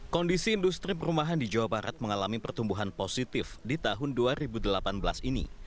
kondisi industri perumahan di jawa barat mengalami pertumbuhan positif di tahun dua ribu delapan belas ini